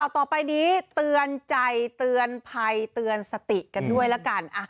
ต่อไปนี้เตือนใจเตือนภัยเตือนสติกันด้วยละกัน